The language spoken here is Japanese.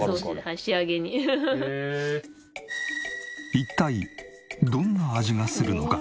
一体どんな味がするのか？